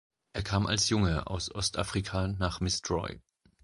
Er kam als Junge aus Ostafrika nach Misdroy.